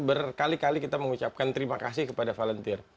berkali kali kita mengucapkan terima kasih kepada volunteer